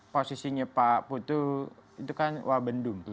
posisinya pak putu itu kan wabendung